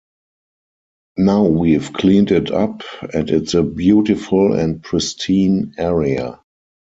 Now we've cleaned it up, and it's a beautiful and pristine area.